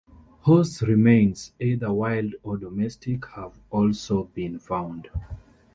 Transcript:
Horse remains, either wild or domestic, have also been found.